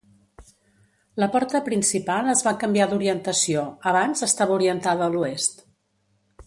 La porta principal es va canviar d'orientació, abans estava orientada a l'oest.